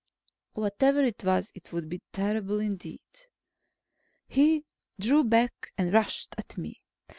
Whatever it was, it would be terrible, indeed. He drew back and rushed at me.